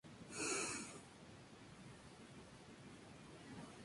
Su responsabilidad en Europa no le mantuvo alejada de la política lituana.